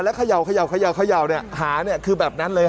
เขย่าหาคือแบบนั้นเลย